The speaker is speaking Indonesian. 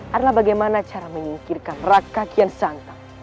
adalah bagaimana cara menyingkirkan raka kiansantang